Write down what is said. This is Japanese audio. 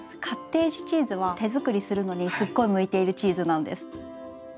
カッテージチーズは手作りするのにすっごい向いているチーズなんです。